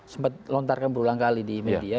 sempat lontarkan berulang kali di media